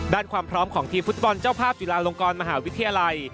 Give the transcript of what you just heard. ความพร้อมของทีมฟุตบอลเจ้าภาพจุฬาลงกรมหาวิทยาลัย